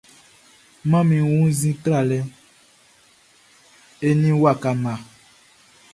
Manmi wunnzin tralɛ eni waka mma.